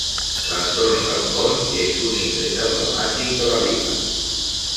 L'entorn del pont és un indret emblemàtic de la vila.